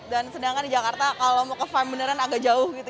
dan sedangkan di jakarta kalau mau ke farm beneran agak jauh